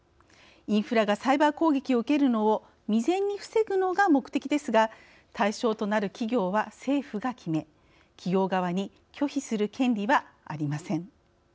インフラがサイバー攻撃を受けるのを未然に防ぐのが目的ですが対象となる企業は、政府が決め企業側に拒否する権利はありません。